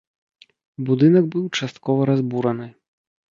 Будынак быў часткова разбураны.